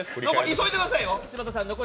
急いでくださいよ。